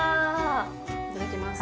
いただきます。